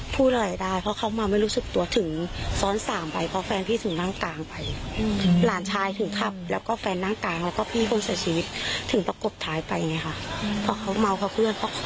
พอค้อเมาเค้าเคลื่อน